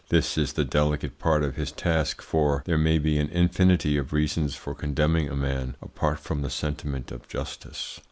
This is the delicate part of his task, for there may be an infinity of reasons for condemning a man, apart from the sentiment of justice."